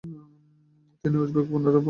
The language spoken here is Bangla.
তিনি উজবেক পুনরায় জয় করতে সমর্থ হন।